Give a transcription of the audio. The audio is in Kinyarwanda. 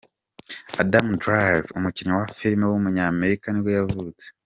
Adam Driver, umukinnyi wa filime w’umunyamerika nibwo yavutse.